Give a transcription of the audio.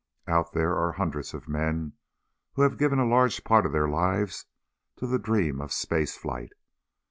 "Out there are hundreds of men who have given a large part of their lives to the dream of space flight.